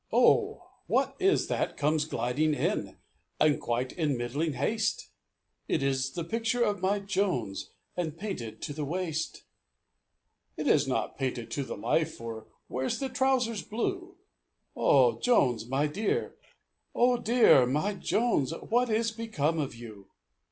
"Oh! what is that comes gliding in, And quite in middling haste? It is the picture of my Jones, And painted to the waist. "It is not painted to the life, For where's the trowsers blue? Oh Jones, my dear! Oh dear! my Jones, What is become of you?"